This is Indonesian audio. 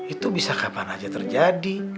itu bisa kapan aja terjadi